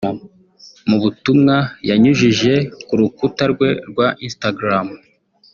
Mu butumwa yanyujije ku rukuta rwe rwa Instagram